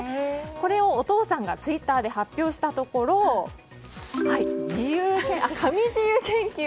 これをお父さんがツイッターで発表したところ神自由研究！